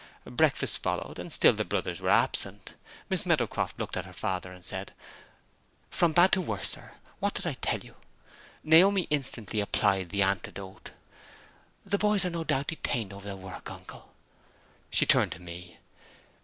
Breakfast followed; and still the brothers were absent. Miss Meadowcroft looked at her father, and said, "From bad to worse, sir. What did I tell you?" Naomi instantly applied the antidote: "The boys are no doubt detained over their work, uncle." She turned to me.